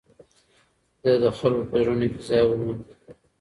ده د خلکو په زړونو کې ځای وموند.